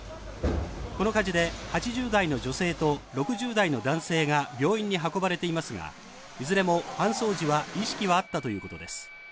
この火事で８０代の女性と６０代の男性が病院に運ばれていますがいずれも搬送時は意識はあったということです。